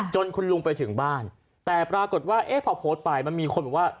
คุณลุงไปถึงบ้านแต่ปรากฏว่าเอ๊ะพอโพสต์ไปมันมีคนบอกว่า